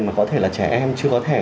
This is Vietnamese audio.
mà có thể là trẻ em chưa có thẻ